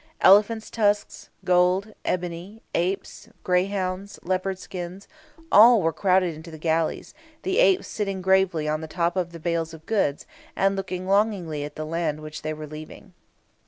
Elephants' tusks, gold, ebony, apes, greyhounds, leopard skins, all were crowded into the galleys, the apes sitting gravely on the top of the bales of goods, and looking longingly at the land which they were leaving.